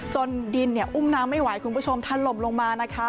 ดินเนี่ยอุ้มน้ำไม่ไหวคุณผู้ชมทันลมลงมานะคะ